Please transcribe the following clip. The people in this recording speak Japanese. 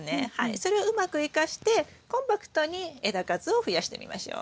それをうまく生かしてコンパクトに枝数を増やしてみましょう。